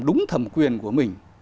đúng thẩm quyền của mình